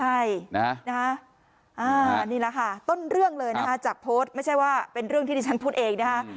ใช่นะฮะนี่แหละค่ะต้นเรื่องเลยนะคะจากโพสต์ไม่ใช่ว่าเป็นเรื่องที่ดิฉันพูดเองนะคะ